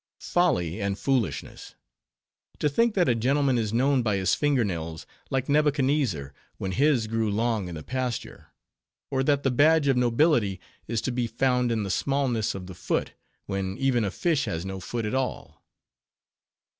Folly and foolishness! to think that a gentleman is known by his finger nails, like Nebuchadnezzar, when his grew long in the pasture: or that the badge of nobility is to be found in the smallness of the foot, when even a fish has no foot at all!